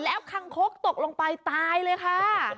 แล้วคังคกตกลงไปตายเลยค่ะ